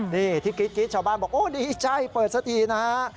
นี่ที่กรี๊ดชาวบ้านบอกโอ้ดีใจเปิดสักทีนะฮะ